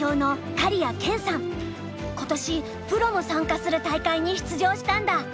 今年プロも参加する大会に出場したんだ。